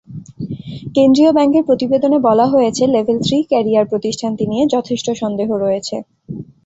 কেন্দ্রীয় ব্যাংকের প্রতিবেদনে বলা হয়েছে, লেভেল থ্রি ক্যারিয়ার প্রতিষ্ঠানটি নিয়ে যথেষ্ট সন্দেহ রয়েছে।